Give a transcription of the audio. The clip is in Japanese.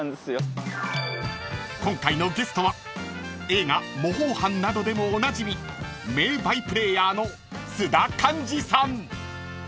［今回のゲストは映画『模倣犯』などでもおなじみ名バイプレーヤーの津田寛治さん］